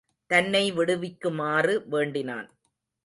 தன்னை விடுவிக்குமாறு வேண்டினான்.